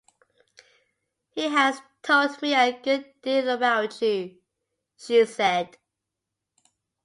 “He has told me a good deal about you,” she said.